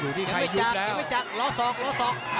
อยู่ที่ใครหยุดแล้วยังไม่จัดยังไม่จัดรอสอกรอสอก